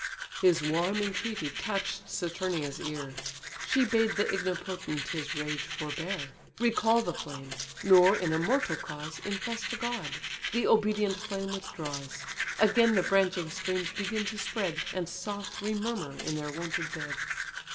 His warm entreaty touch'd Saturnia's ear: She bade the ignipotent his rage forbear, Recall the flame, nor in a mortal cause Infest a god: the obedient flame withdraws: Again the branching streams begin to spread, And soft remurmur in their wonted bed.